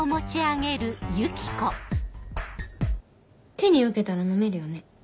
手に受けたら飲めるよね？